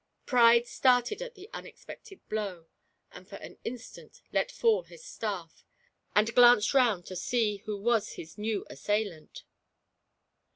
Pride started at the imexpected blow, and for an instant let fall his staff and glanced round to see who was his new assailant.